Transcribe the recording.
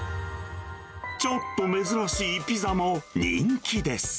ちょっと珍しいピザも人気です。